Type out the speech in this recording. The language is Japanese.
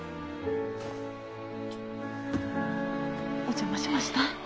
お邪魔しました。